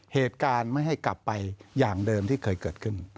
เหตุการณ์ไม่ให้กลับไปอย่างเดิมที่เคยเกิดขึ้น